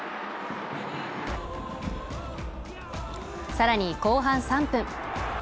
更に後半３分。